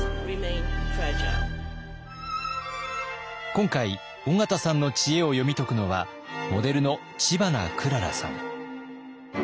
今回緒方さんの知恵を読み解くのはモデルの知花くららさん。